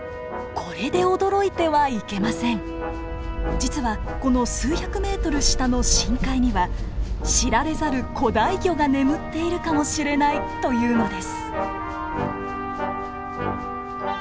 実はこの数百ｍ下の深海には知られざる古代魚が眠っているかもしれないというのです。